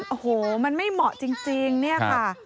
โอ้โหมันไม่เหมาะจริงเนี่ยค่ะ